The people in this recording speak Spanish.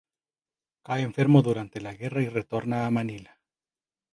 Cae enfermo durante la guerra y retorna a Manila.